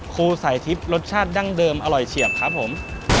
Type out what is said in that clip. ครูสายทิพย์รสชาติดั้งเดิมอร่อยเฉียบครับผม